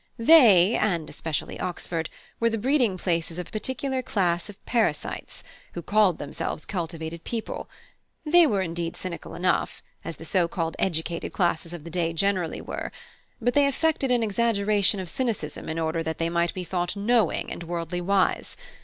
They (and especially Oxford) were the breeding places of a peculiar class of parasites, who called themselves cultivated people; they were indeed cynical enough, as the so called educated classes of the day generally were; but they affected an exaggeration of cynicism in order that they might be thought knowing and worldly wise.